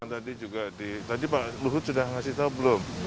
tadi pak luhut sudah ngasih tahu belum